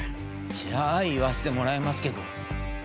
じゃあ言わせてもらいますけど。